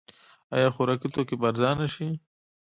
آیا خوراکي توکي به ارزانه شي؟